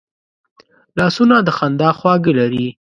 لاسونه د خندا خواږه لري